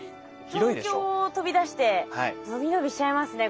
東京を飛び出してのびのびしちゃいますね